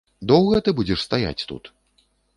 Доўга ты будзеш стаяць тут?